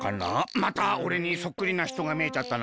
またおれにそっくりなひとがみえちゃったな。